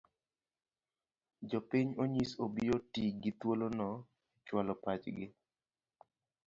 Jopiny onyis obi oti gi thuolono e chualo pachgi.